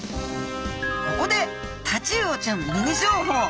ここでタチウオちゃんミニ情報。